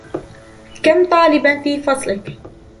كم طالبًا في فصلك ؟